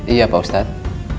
iya pak ustadz